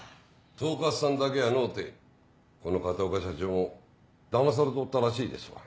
統括さんだけやのうてこの片岡社長もだまされとったらしいですわ。